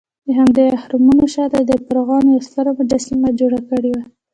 دهمدې اهرامونو شاته د فرعون یوه ستره مجسمه جوړه کړې وه.